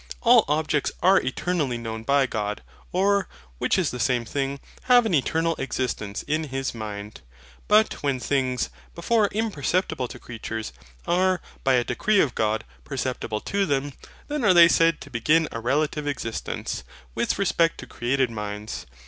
All objects are eternally known by God, or, which is the same thing, have an eternal existence in His mind: but when things, before imperceptible to creatures, are, by a decree of God, perceptible to them, then are they said to begin a relative existence, with respect to created minds.